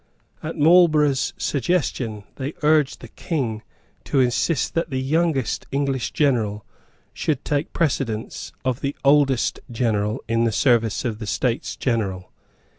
At Marlborough's suggestion they urged the King to insist that the youngest English general should take precedence of the oldest general in the service of the States General.